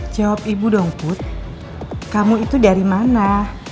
jawab ibu dong put kamu itu dari mana